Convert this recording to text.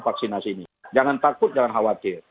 vaksinasi ini jangan takut jangan khawatir